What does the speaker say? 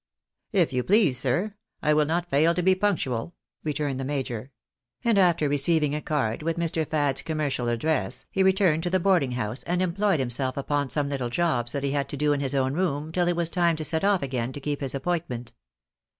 "If you please, sir; I will not fail to be punctual," returned the major ; and after receiving a card with Mr. Fad's commercial address, he returned to the boarding house and employed himself upon some little jobs that he had to do in his own room till it was time to set off again to keep his appointment.